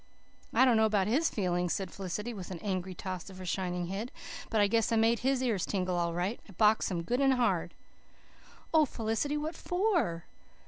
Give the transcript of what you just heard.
"I don't know about his feelings," said Felicity, with an angry toss of her shining head, "but I guess I made his ears tingle all right. I boxed them both good and hard." "Oh, Felicity! What for?"